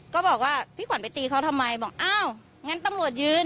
ก็บอกว่าพี่ขวัญไปตีเขาทำไมบอกอ้าวงั้นตำรวจยืน